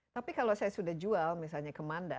tapi kalau saya sudah jual misalnya ke manda